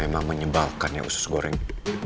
gak menyebalkan ya usus goreng